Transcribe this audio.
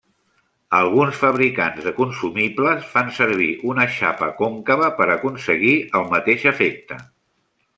Alguns fabricants de consumibles fan servir una xapa còncava per aconseguir el mateix efecte.